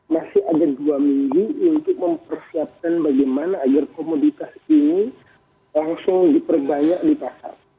masih ada dua minggu untuk mempersiapkan bagaimana agar komoditas ini langsung diperbanyak di pasar